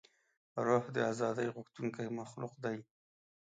روح د ازادۍ غوښتونکی مخلوق دی.